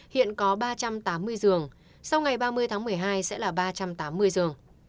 hiện có ba trăm tám mươi giường sau ngày ba mươi tháng một mươi hai sẽ là ba trăm tám mươi giường